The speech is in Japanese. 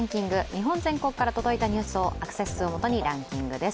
日本全国から届いたニュースを「Ｎスタ」がアクセス数をもとにランキングです。